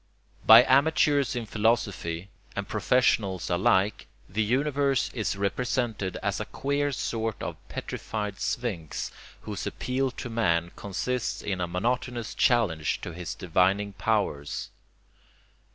By amateurs in philosophy and professionals alike, the universe is represented as a queer sort of petrified sphinx whose appeal to man consists in a monotonous challenge to his divining powers.